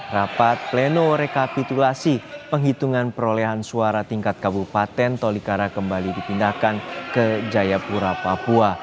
rapat pleno rekapitulasi penghitungan perolehan suara tingkat kabupaten tolikara kembali dipindahkan ke jayapura papua